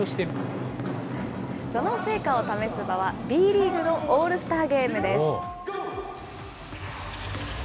その成果を試す場は、Ｂリーグのオールスターゲームです。